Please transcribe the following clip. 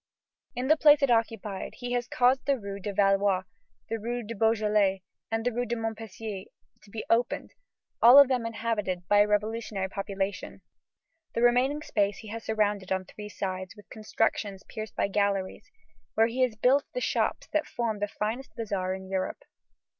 In the place it occupied he has caused the rue de Valois, the rue de Beaujolais, and the rue de Montpensier to be opened, all of them inhabited by a revolutionary population. The remaining space he has surrounded on three sides with constructions pierced by galleries, where he has built the shops that form the finest bazaar in Europe.